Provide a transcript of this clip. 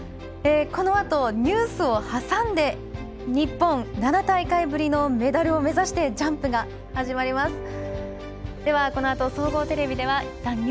このあと、ニュースを挟んで日本７大会ぶりのメダルを目指してジャンプが始まります。